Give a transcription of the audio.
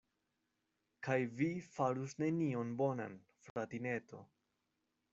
Kaj vi farus nenion bonan, fratineto.